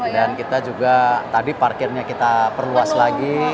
dan kita juga tadi parkirnya kita perluas lagi